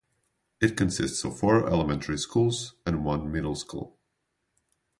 It consists of four elementary schools and one middle school.